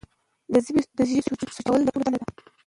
د ژبې سوچه کول د ټولو دنده ده.